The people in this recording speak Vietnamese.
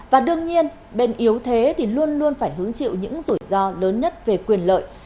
và đương nhiên bên yếu thế thì luôn luôn phải hứng chịu những rủi ro lớn nhất về quyền lợi